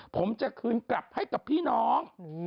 ผมจะคืนกลับให้กับพี่น้อง